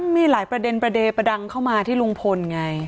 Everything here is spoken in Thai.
มีหลายประเด็นประเด็นประดังเข้ามาที่ลุงพลไง